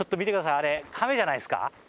あれ、亀じゃないですか？